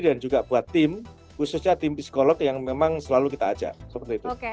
dan juga buat tim khususnya tim psikolog yang memang selalu kita ajak